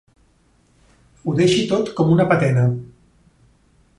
Ho deixi tot com una patena.